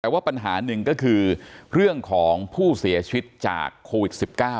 แต่ว่าปัญหาหนึ่งก็คือเรื่องของผู้เสียชีวิตจากโควิด๑๙